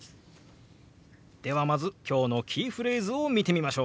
ではまず今日のキーフレーズを見てみましょう。